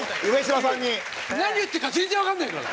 何言ってるか全然わかんないから。